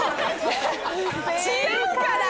違うから！